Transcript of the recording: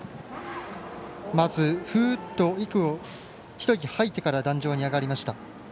まず、フーッと息を一息吐いてから壇上に上がりました。